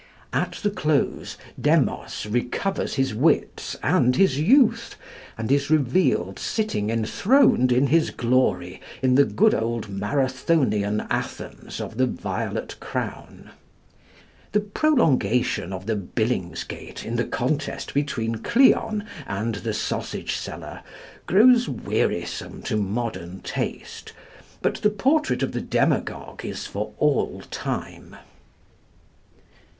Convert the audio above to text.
At the close, Demos recovers his wits and his youth, and is revealed sitting enthroned in his glory in the good old Marathonian Athens of the Violet Crown. The prolongation of the billingsgate in the contest between Cleon and the sausage seller grows wearisome to modern taste; but the portrait of the Demagogue is for all time.